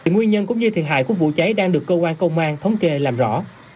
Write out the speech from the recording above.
nguyên nhân cũng như thiệt hại của vụ cháy đang được cơ quan công an thống kê làm rõ